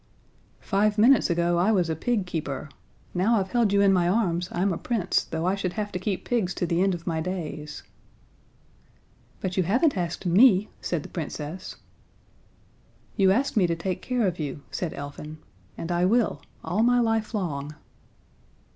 "Five minutes ago I was a pig keeper now I've held you in my arms I'm a Prince, though I should have to keep pigs to the end of my days." "But you haven't asked me," said the Princess. "You asked me to take care of you," said Elfin, "and I will all my life long."